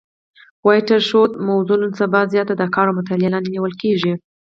واټر شید موضوع نن سبا زیاته د کار او مطالعې لاندي نیول کیږي.